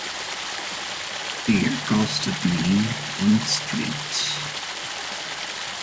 He accosted me on the street.